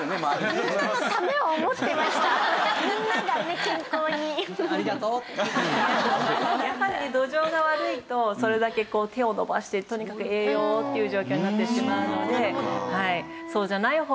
やっぱり土壌が悪いとそれだけこう手を伸ばしてとにかく栄養をっていう状況になってしまうのでそうじゃない方がいいと。